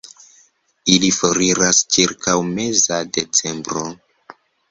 Ili foriras ĉirkaŭ meza decembro.